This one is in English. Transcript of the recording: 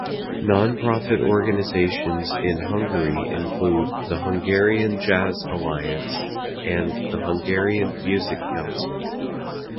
Non-profit organizations in Hungary include the Hungarian Jazz Alliance and the Hungarian Music Council.